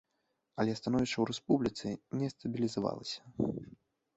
Але становішча ў рэспубліцы не стабілізавалася.